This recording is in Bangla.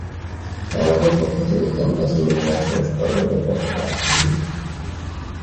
তাই আমাদের পক্ষ থেকে ক্যাম্পাসে মিনিবাস প্রবেশ করানোর ব্যাপারে তেমন আগ্রহ নেই।